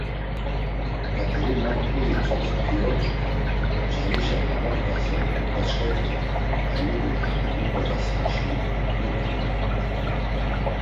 Katerinak iritzos Piyotr carişa na moxt̆asen, uǩaçxeti ayluği na nuǩorasenşi dot̆ǩu dort̆u.